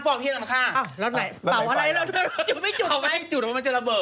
พี่บ้านเป็นอย่างงี้